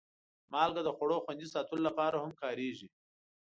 مالګه د خوړو خوندي ساتلو لپاره هم کارېږي.